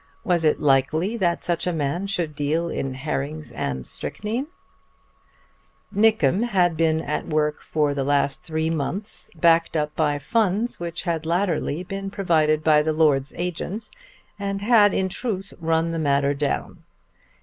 Was it likely that such a man should deal in herrings and strychnine? Nickem had been at work for the last three months, backed up by funds which had latterly been provided by the lord's agent, and had in truth run the matter down.